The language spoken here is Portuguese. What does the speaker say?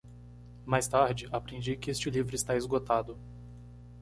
Mais tarde, aprendi que este livro está esgotado.